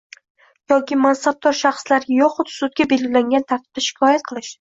yoki mansabdor shaxslarga yoxud sudga belgilangan tartibda shikoyat qilish;